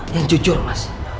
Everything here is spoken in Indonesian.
yang jujur mas